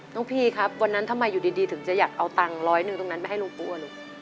พี่ครับวันนั้นทำไมอยู่ดีถึงจะอยากเอาตังค์ร้อยหนึ่งตรงนั้นไปให้ลุงปั้วลูก